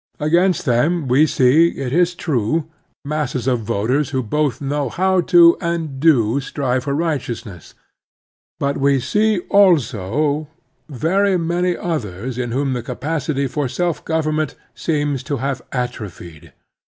Against them we see, it is true, masses of voters who both know how to, and do, strive for righteousness ; but we see also very many others in whom the capacity for self government seems to have atrophied.